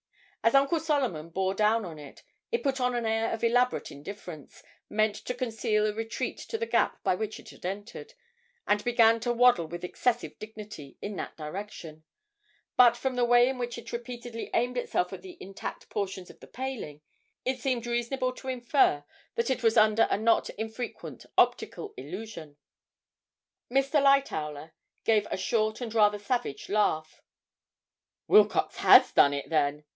As Uncle Solomon bore down on it, it put on an air of elaborate indifference, meant to conceal a retreat to the gap by which it had entered, and began to waddle with excessive dignity in that direction, but from the way in which it repeatedly aimed itself at the intact portions of the paling, it seemed reasonable to infer that it was under a not infrequent optical illusion. Mr. Lightowler gave a short and rather savage laugh. 'Wilcox has done it, then!'